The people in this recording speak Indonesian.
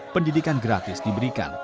pendidikan gratis diberikan